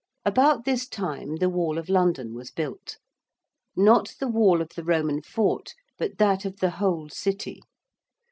About this time the wall of London was built; not the wall of the Roman fort, but that of the whole City.